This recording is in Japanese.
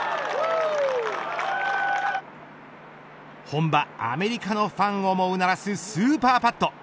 本場アメリカのファンをもうならすスーパーパット。